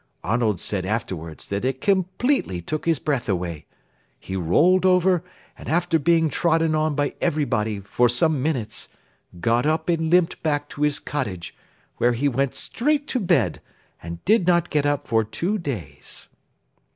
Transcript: Arnold said afterwards that it completely took his breath away. He rolled over, and after being trodden on by everybody for some minutes, got up and limped back to his cottage, where he went straight to bed, and did not get up for two days.